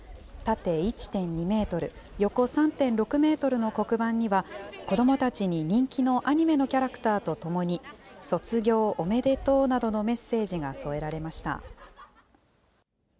縦１．２メートル、横３．６メートルの黒板には、子どもたちに人気のアニメのキャラクターとともに、卒業おめでとうなどのメッセージが添えられました。